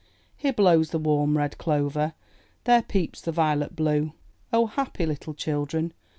Here blows the warm red clover, There peeps the violet blue; happy little children!